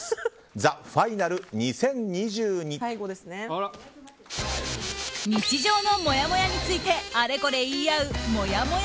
−ＴＨＥ・ファイナル２０２２−日常のもやもやについてあれこれ言い合うもやもや